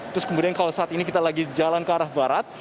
terus kemudian kalau saat ini kita lagi jalan ke arah barat